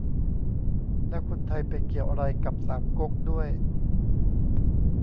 แล้วคนไทยไปเกี่ยวอะไรกับสามก๊กด้วย